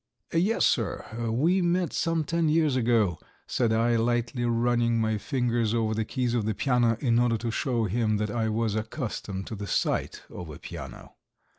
"Yes, sir, we met some ten years ago," said I, lightly running my fingers over the keys of the piano in order to show him that I was accustomed to the sight of a piano.